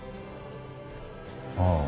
ああ。